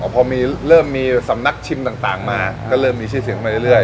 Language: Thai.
พอเริ่มมีสำนักชิมต่างมาก็เริ่มมีชื่อเสียงมาเรื่อย